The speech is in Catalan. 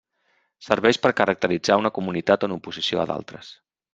Serveix per caracteritzar una comunitat en oposició a d'altres.